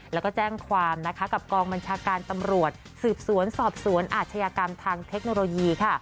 แล้วก็แจ้งความนะคะกับกองบัญชาการตำรวจสืบสวนสอบสวนอาชญากรรมทางเทคโนโลยีค่ะ